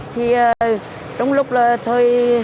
thì trong lúc thôi